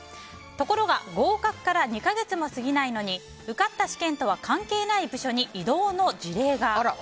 ところが合格から２か月も過ぎないのに受かった試験とは関係ない部署に異動の辞令が。